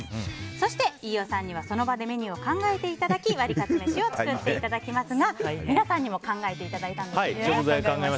そして飯尾さんにはその場でメニューを考えていただきワリカツめしを作っていただきますが皆さんにも考えていただいたんですよね。